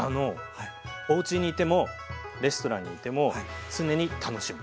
おうちにいてもレストランにいても常に楽しむ。